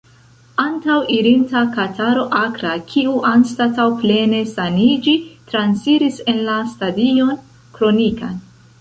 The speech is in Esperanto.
Antaŭirinta kataro akra, kiu, anstataŭ plene saniĝi, transiris en la stadion kronikan.